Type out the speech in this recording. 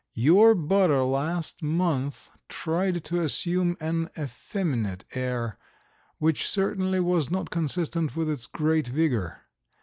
Your butter last month tried to assume an effeminate air, which certainly was not consistent with its great vigor.